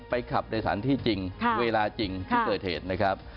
ขับในสถานที่จริงเวลาจริงที่เกิดเหตุนะครับ